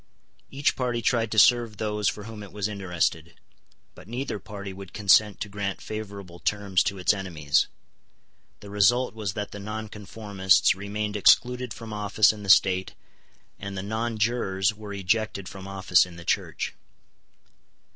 Each party tried to serve those for whom it was interested: but neither party would consent to grant favourable terms to its enemies. The result was that the nonconformists remained excluded from office in the State, and the nonjurors were ejected from office in the Church.